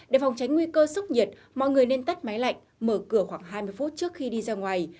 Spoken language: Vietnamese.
để phòng tránh nguy cơ sốc nhiệt mọi người nên tắt máy lạnh mở cửa khoảng hai mươi phút trước khi đi ra ngoài